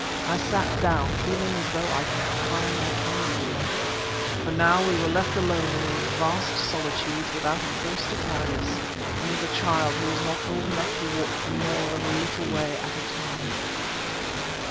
I sat down, feeling as though I could cry like a woman. For now we were left alone in these vast solitudes without a horse to carry us, and with a child who was not old enough to walk for more than a little way at a time.